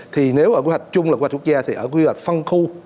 thì nếu mà quy hoạch chung là quy hoạch quốc gia thì ở quy hoạch phân khu